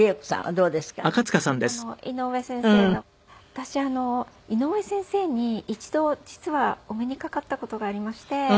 私井上先生に一度実はお目にかかった事がありまして。